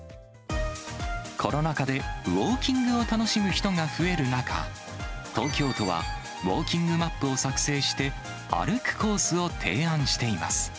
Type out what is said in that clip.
コロナ禍で、ウォーキングを楽しむ人が増える中、東京都は、ウォーキングマップを作成して、歩くコースを提案しています。